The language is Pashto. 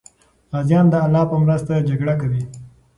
غازیان د الله په مرسته جګړه کوي.